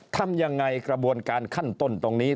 ทำยังไงกระบวนการขั้นต้นตรงนี้